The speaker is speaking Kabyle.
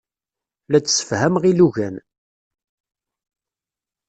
La d-ssefhameɣ ilugan.